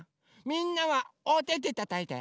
みんなはおててたたいて。